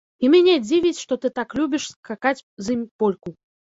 І мяне дзівіць, што ты так любіш скакаць з ім польку.